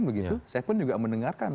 begitu saya pun juga mendengarkan